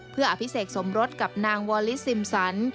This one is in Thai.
เพื่ออภิเษกสมรสกับนางวอลิซิมสัน